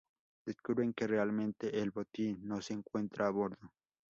Descubren que realmente el botín no se encuentra a bordo.